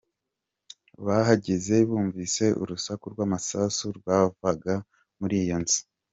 Bahageze bumvise urusaku rwamasasu rwavaga muri iyo nzu.